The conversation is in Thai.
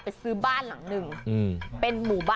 พี่พินโย